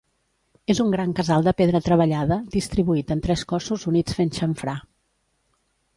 És un gran casal de pedra treballada, distribuït en tres cossos units fent xamfrà.